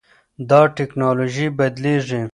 دا ټکنالوژي بدلېږي.